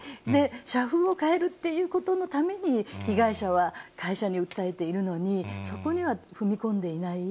社風を変えるっていうことのために、被害者は会社に訴えているのに、そこには踏み込んでいない。